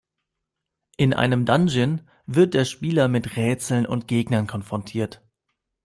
In einem Dungeon wird der Spieler mit Rätseln und Gegner konfrontiert.